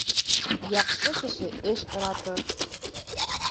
Яҡшы кеше эш ыратыр